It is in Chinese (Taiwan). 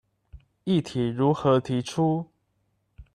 議題如何提出？